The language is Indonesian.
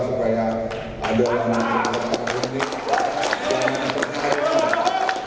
supaya ada orang yang lebih berpengalaman